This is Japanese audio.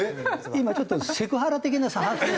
今ちょっとセクハラ的な発言。